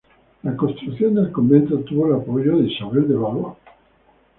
La construcción del convento tuvo el apoyo de Isabel de Valois.